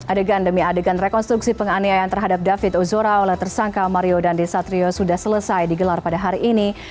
adegan demi adegan rekonstruksi penganiayaan terhadap david ozora oleh tersangka mario dandisatrio sudah selesai digelar pada hari ini